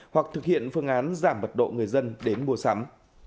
hoặc thực hiện phương án giảm mật độ người dân đến mua sắm